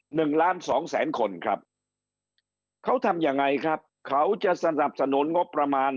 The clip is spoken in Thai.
หนึ่งล้านสองแสนคนครับเขาทำยังไงครับเขาจะสนับสนุนงบประมาณ